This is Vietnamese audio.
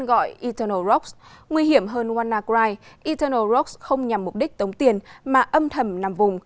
gọi eternal rocks nguy hiểm hơn wannacry eternal rocks không nhằm mục đích tống tiền mà âm thầm nằm vùng